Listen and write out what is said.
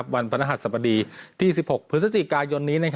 วันพนธรรมดีที่๑๖พฤษฎีกายนนี้